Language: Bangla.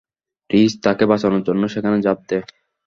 রিজ তাকে বাঁচানোর জন্য সেখানে ঝাঁপ দেয়।